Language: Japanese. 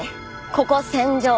ここ戦場。